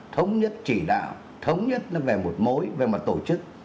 thống nhất chỉ đạo thống nhất nó về một mối về mặt tổ chức